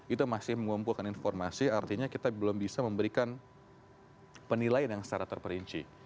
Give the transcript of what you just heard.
itu masih mengumpulkan informasi artinya kita belum bisa memberikan penilaian yang secara terperinci